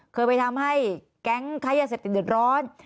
เคยไปทำให้แก๊งไข้ยาเสพติดร้อน